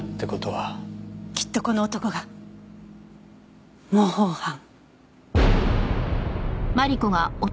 きっとこの男が模倣犯。